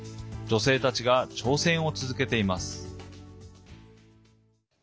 女性たちが挑戦を続けています。